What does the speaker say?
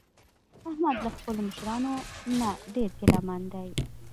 احمد له خپلو مشرانو نه ډېر ګله من دی.